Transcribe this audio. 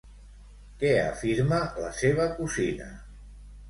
Què afirma la seva cosina?